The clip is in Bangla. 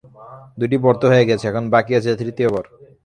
দুটি বর তো হয়ে গেছে, এখন বাকী আছে তৃতীয় বর।